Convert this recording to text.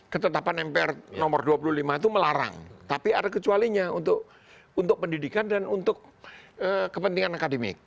ketetapan mpr nomor dua puluh lima itu melarang tapi ada kecualinya untuk pendidikan dan untuk kepentingan akademik